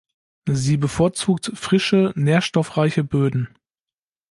Sie bevorzugt frische, nährstoffreiche Böden.